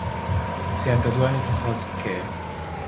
سیاسەتوانی دڵخوازت کێیە؟